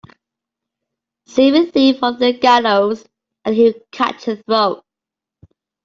Save a thief from the gallows and he will cut your throat.